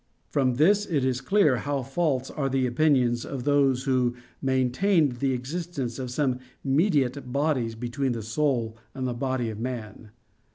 From this it is clear how false are the opinions of those who maintained the existence of some mediate bodies between the soul and body of man.